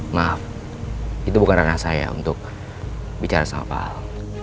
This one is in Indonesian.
maaf itu bukan rana saya untuk bicara sama pak al